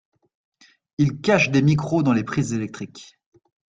Ils cachent des micros dans les prises électriques.